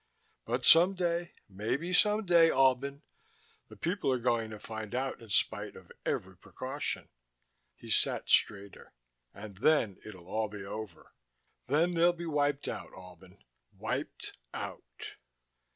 But some day maybe some day, Albin the people are going to find out in spite of every precaution." He sat straighter. "And then it'll all be over. Then they'll be wiped out, Albin. Wiped out."